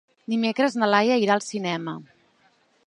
Dimecres na Laia irà al cinema.